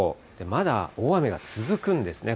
まだ大雨が続くんですね。